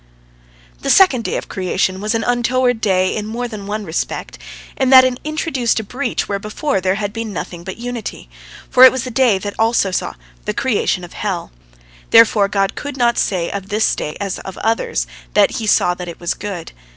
The second day of creation was an untoward day in more than the one respect that it introduced a breach where before there had been nothing but unity; for it was the day that saw also the creation of hell. Therefore God could not say of this day as of the others, that He "saw that it was good."